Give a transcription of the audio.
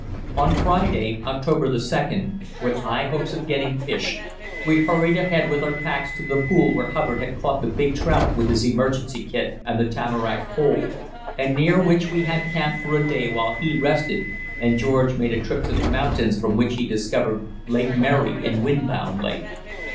On Friday (October 2d), with high hopes of getting fish, we hurried ahead with our packs to the pool where Hubbard had caught the big trout with his emergency kit and the tamarack pole, and near which we had camped for a day while he rested and George made a trip to the mountains from which he discovered Lake Mary and Windbound Lake.